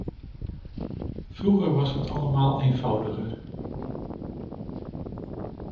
Vroeger was het allemaal eenvoudiger.